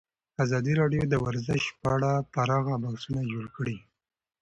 ازادي راډیو د ورزش په اړه پراخ بحثونه جوړ کړي.